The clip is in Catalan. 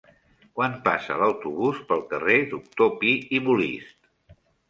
Quan passa l'autobús pel carrer Doctor Pi i Molist?